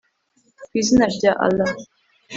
ku izina rya allah